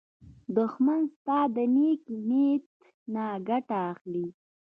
دښمن ستا د نېک نیت نه ګټه اخلي